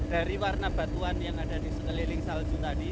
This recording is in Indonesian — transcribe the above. dari warna batuan yang ada di sekeliling salju tadi